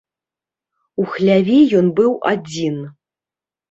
У хляве ён быў адзін.